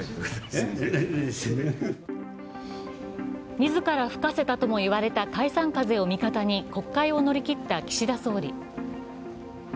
自ら吹かせたとも言われた解散風を味方に国会を乗り切った岸田総理。